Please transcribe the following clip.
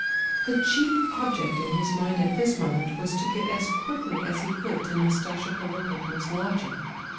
The chief object in his mind at this moment was to get as quickly as he could to Nastasia Philipovna's lodging.